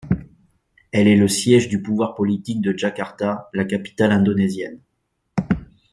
Elle est le siège du pouvoir politique de Jakarta, la capitale indonésienne.